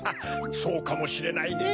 そうかもしれないね。